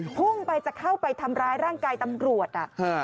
พุ่งไปจะเข้าไปทำร้ายร่างกายตำรวจ